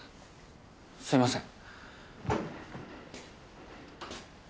すいません。